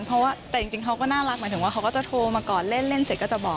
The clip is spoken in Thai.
เพราะว่าแต่จริงเขาก็น่ารักหมายถึงว่าเขาก็จะโทรมาก่อนเล่นเสร็จก็จะบอก